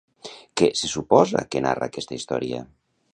Què se suposa que narra aquesta història?